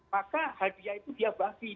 maka hadiah itu dia bagi